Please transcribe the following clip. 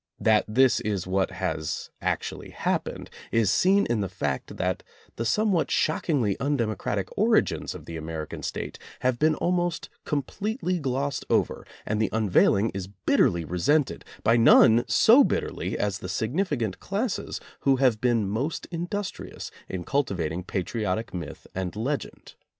That this is what has ac tually happened, is seen in the fact that the some what shockingly undemocratic origins of the American State have been almost completely glossed over and the unveiling is bitterly resented, by none so bitterly as the significant classes who have been most industrious in cultivating patriotic myth and legend.